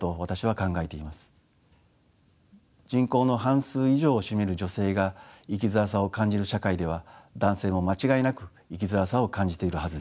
人口の半数以上を占める女性が生きづらさを感じる社会では男性も間違いなく生きづらさを感じているはずです。